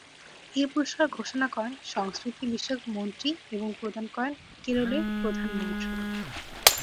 এই পুরস্কার ঘোষণা করেন সংস্কৃতি বিষয়ক মন্ত্রী এবং প্রদান করেন কেরলের প্রধানমন্ত্রী।